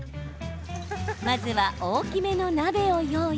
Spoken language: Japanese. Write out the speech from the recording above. まずは、大きめの鍋を用意。